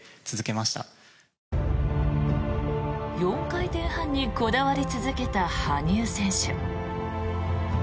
４回転半にこだわり続けた羽生選手。